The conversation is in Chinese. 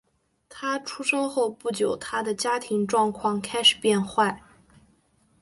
他出生后不久他的家庭状况开始变坏。